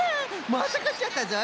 またかっちゃったぞい。